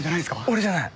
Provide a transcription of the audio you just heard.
俺じゃない。